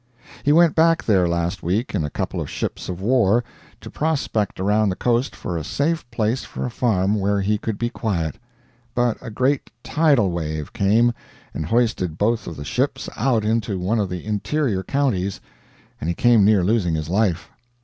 He went back there last week in a couple of ships of war, to prospect around the coast for a safe place for a farm where he could be quiet; but a great "tidal wave" came, and hoisted both of the ships out into one of the interior counties, and he came near losing his life.